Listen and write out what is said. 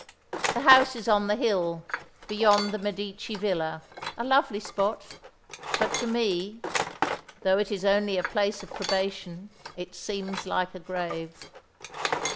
The house is on the hill, beyond the Medici Villa a lovely spot but to me, though it is only a place of probation, it seems like a grave.